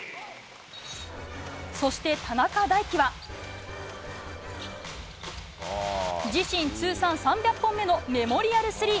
そして田中大貴は自身通算３００本目のメモリアルスリー。